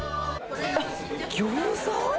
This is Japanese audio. あっ、ギョーザ？